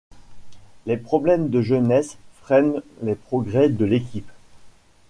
Les problèmes de jeunesse freinent les progrès de l'équipe.